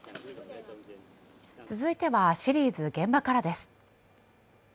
続いてはシリーズ「現場から」です。